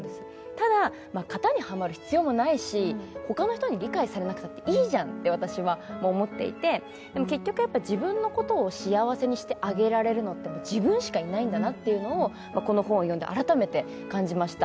ただ、型にはまる必要もないし、他の人に理解されなくてもいいじゃんって私は思っていて結局、自分のことを幸せにしてあげられるのって自分しかいないんだなというのをこの本を読んで改めて感じました。